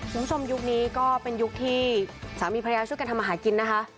คุณผู้ชมยุคนี้ก็เป็นยุคที่สามีภรรยาช่วยกันทำมาหากินนะคะ